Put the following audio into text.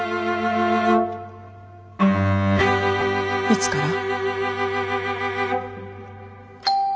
いつから？